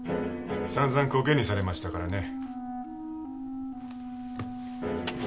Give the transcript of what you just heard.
散々コケにされましたからね。